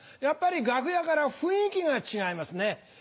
やっぱり楽屋から雰囲気が違いますね。